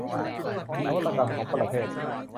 นวัตกรรมของประเทศ